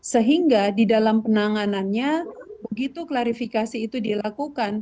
sehingga di dalam penanganannya begitu klarifikasi itu dilakukan